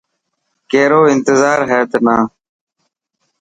ڪيرو انتظار هي تنا.